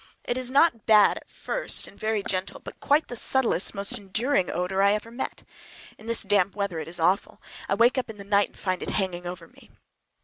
It is not bad—at first, and very gentle, but quite the subtlest, most enduring odor I ever met. In this damp weather it is awful. I wake up in the night and find it hanging over me.